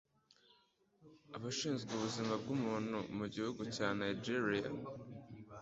Abashinzwe ubuzima bw,abantu mu gihugu cya Nigeria